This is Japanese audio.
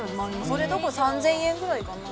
それどころ３０００円ぐらいかな？